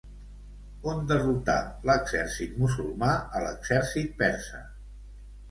On derrotà l'exèrcit musulmà a l'exèrcit persa?